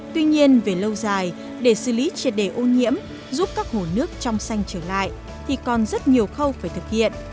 tuy nhiên về lâu dài để xử lý triệt đề ô nhiễm giúp các hồ nước trong xanh trở lại thì còn rất nhiều khâu phải thực hiện